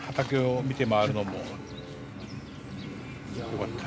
よかった。